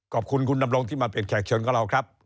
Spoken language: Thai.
ขอบคุณคุณดำรงที่มาเป็นแขกเชิญกับเราครับ